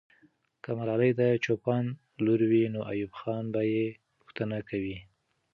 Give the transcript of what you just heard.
که ملالۍ د چوپان لور وي، نو ایوب خان به یې پوښتنه کوي.